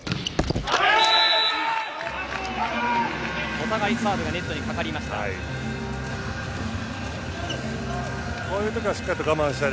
お互いサーブがネットにかかりました。